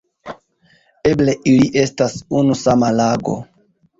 Eble ili estas unu sama lago.